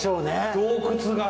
洞窟が。